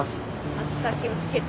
暑さ気をつけて。